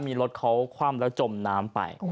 มีรถเขาคว่ำแล้วจมน้ำไป